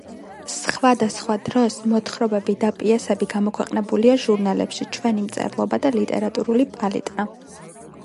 სხვადასხვა დროს მოთხრობები და პიესები გამოქვეყნებულია ჟურნალებში „ჩვენი მწერლობა“ და „ლიტერატურული პალიტრა“.